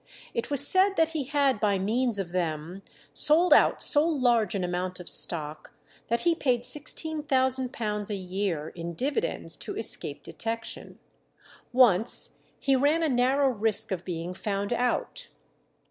It was said that he had by means of them sold out so large an amount of stock, that he paid £16,000 a year in dividends to escape detection. Once he ran a narrow risk of being found out.